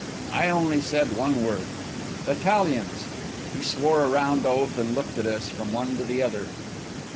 I only said one word: "Italians." He swore a round oath, and looked at us, from one to the other.